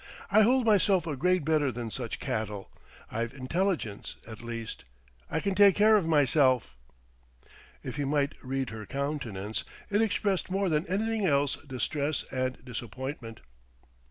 I hold myself a grade better than such cattle; I've intelligence, at least.... I can take care of myself!" If he might read her countenance, it expressed more than anything else distress and disappointment.